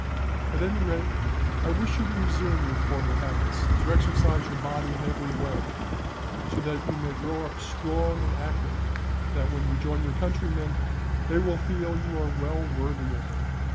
"At any rate, I wish you to resume your former habits, to exercise your body in every way, so that you may grow up so strong and active that, when you join your countrymen, they will feel you are well worthy of them.